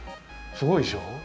すごいでしょ？